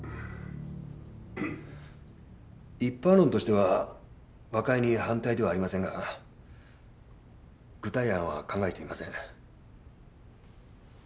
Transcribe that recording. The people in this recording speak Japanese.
一般論としては和解に反対ではありませんが具体案は考えていません。